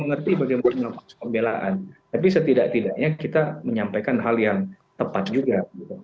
mengerti bagaimana melakukan pembelaan tapi setidak tidaknya kita menyampaikan hal yang tepat juga